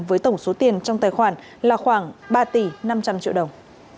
với tổng số tiền trong tài khoản là khoảng ba tỷ năm trăm linh triệu đồng